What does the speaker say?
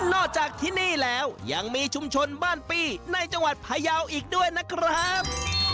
นอกจากที่นี่แล้วยังมีชุมชนบ้านปี้ในจังหวัดพยาวอีกด้วยนะครับ